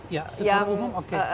ya secara umum oke